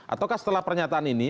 ataukah setelah pernyataan ini